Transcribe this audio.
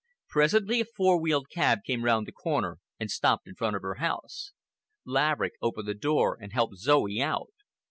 Presently a four wheel cab came round the corner and stopped in front of her house. Laverick opened the door and helped Zoe out.